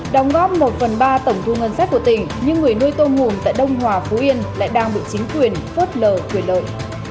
đóng góp một phần ba tổng thu ngân sách của tỉnh nhưng người nuôi tôm hùm tại đông hòa phú yên lại đang bị chính quyền phớt lờ quyền lợi